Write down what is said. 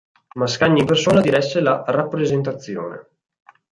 Mascagni in persona diresse la rappresentazione.